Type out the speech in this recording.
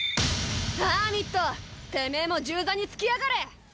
ハーミットてめぇも銃座につきやがれ！